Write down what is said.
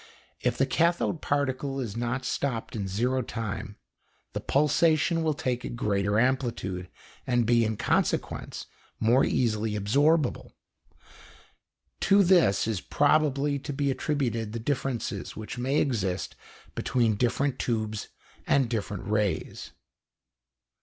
If the cathode particle is not stopped in zero time, the pulsation will take a greater amplitude, and be, in consequence, more easily absorbable; to this is probably to be attributed the differences which may exist between different tubes and different rays.